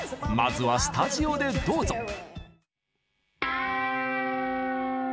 まずはスタジオでどうぞ。